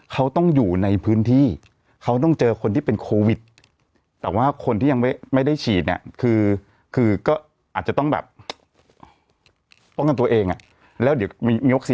คุณหมอเริ่มติดกะทิละคนสองคนสามคน